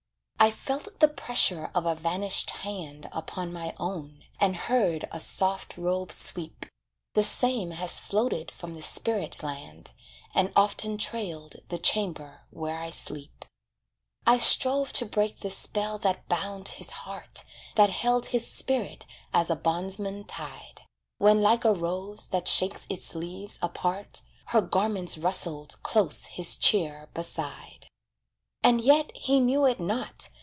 I felt the pressure of a vanished hand Upon my own, and heard a soft robe sweep The same has floated from the spirit land, And often trailed the chamber where I sleep. I strove to break the spell that bound his heart, That held his spirit as a bondsman tied, When like a rose that shakes its leaves apart, Her garments rustled close his chair beside. And yet he knew it not.